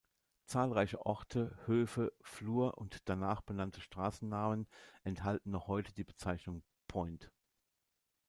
Zahlreiche Orte, Höfe, Flur- und danach benannte Straßennamen enthalten noch heute die Bezeichnung "point".